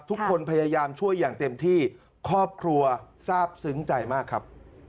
ทุกคนพยายามช่วยอย่างเต็มที่ครอบครัวทราบซึ้งใจมากครับ